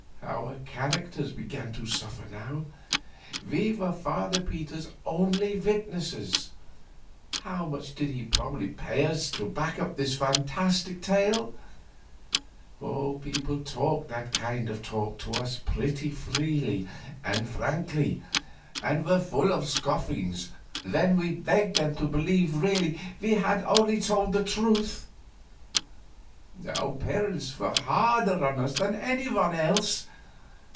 Our characters began to suffer now. We were Father Peter's only witnesses; how much did he probably pay us to back up his fantastic tale? People talked that kind of talk to us pretty freely and frankly, and were full of scoffings when we begged them to believe really we had told only the truth. Our parents were harder on us than any one else.